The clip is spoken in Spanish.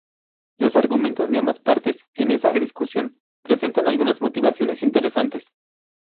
Los argumentos de ambas partes en esta discusión presentan algunas motivaciones interesantes.